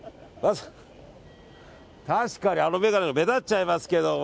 確かに、あの眼鏡目立っちゃいますけど。